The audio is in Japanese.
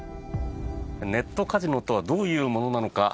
ネットカジノとはどういうものなのか。